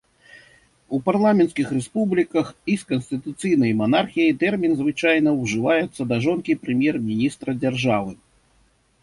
У парламенцкіх рэспубліках і з канстытуцыйнай манархіяй тэрмін звычайна ўжываецца да жонкі прэм'ер-міністра дзяржавы.